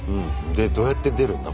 でどうやって出るんだ？